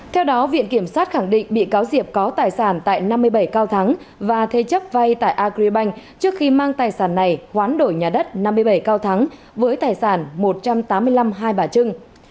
theo đó viện kiểm sát khẳng định bị cáo diệp có tài sản tại năm mươi bảy cao thắng và thế chấp vay tại agribank trước khi mang tài sản này hoán đổi nhà đất năm mươi bảy cao thắng với tài sản một trăm tám mươi năm hai bà trưng